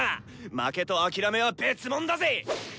負けと諦めは別もんだぜ！